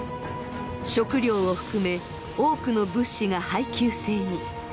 食料を含め多くの物資が配給制に。